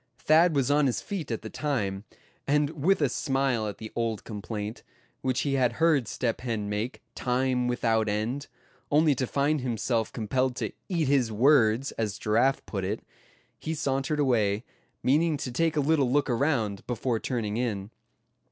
Thad was on his feet at the time; and with a smile at the old complaint, which he had heard Step Hen make, time without end, only to find himself compelled to "eat his words," as Giraffe put it, he sauntered away, meaning to take a little look around, before turning in.